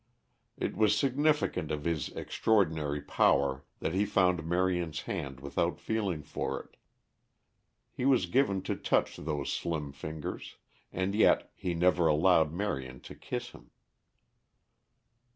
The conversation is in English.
It was significant of his extraordinary power that he found Marion's hand without feeling for it. He was given to touch those slim fingers. And yet he never allowed Marion to kiss him.